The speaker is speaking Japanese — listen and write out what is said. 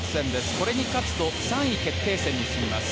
これに勝つと３位決定戦に進みます。